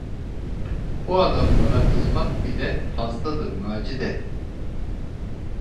Bu adamlara kızmak bile fazladır, Macide!